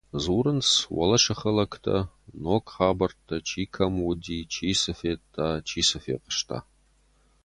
Дзурынц уӕлӕсыхы лӕгтӕ ног хабӕрттӕ, чи кӕм уыди, чи цы федта, чи цы фехъуыста.